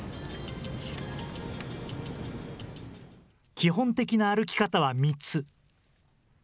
基本的な歩き方は３つ。